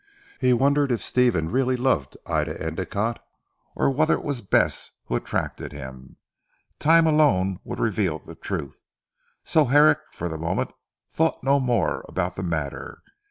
He wondered if Stephen really loved Ida Endicotte or whether it was Bess who attracted him. Time alone would reveal the truth, so Herrick for the moment thought no more about the matter.